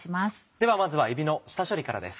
ではまずはえびの下処理からです。